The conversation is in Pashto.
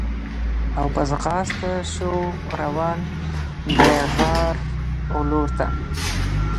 او په ځغاسته سو روان د غار و لورته